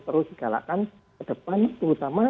terus digalakkan ke depan terutama